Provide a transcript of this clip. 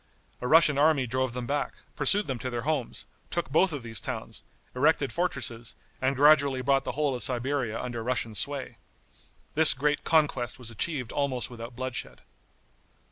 A Russian army drove them back, pursued them to their homes, took both of these towns, erected fortresses, and gradually brought the whole of Siberia under Russian sway. This great conquest was achieved almost without bloodshed.